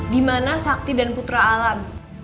dimana sakti dan putra alam